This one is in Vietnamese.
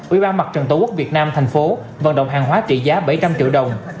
ubnd trần tổ quốc việt nam thành phố vận động hàng hóa trị giá bảy trăm linh triệu đồng